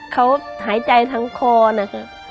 เขาหายใจทั้งคอนะครับ